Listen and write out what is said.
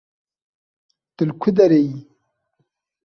Tu li ku derê yî?